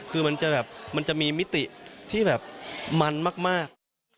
คือมันจะมีมิติที่แบบมันมาก